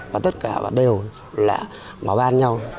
và tất cả đều là bảo an nhau